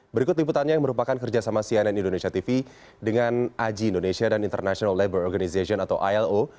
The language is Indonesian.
berikut liputannya yang merupakan kerjasama cnn indonesia tv dengan aji indonesia dan international labor organization atau ilo